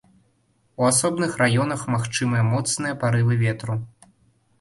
У асобных раёнах магчымыя моцныя парывы ветру.